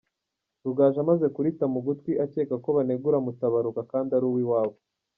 Rugaju amaze kurita mu gutwi akeka ko banegura Mutabaruka kandi ari uw’iwabo.